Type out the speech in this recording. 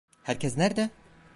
Herkes nerede?